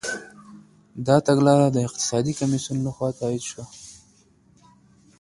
دا تګلاره د اقتصادي کميسيون لخوا تاييد سوه.